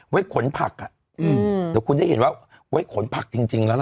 ไว้ขนผักอ่ะเดี๋ยวคุณได้เห็นว่าไว้ขนผักจริงแล้วล่ะ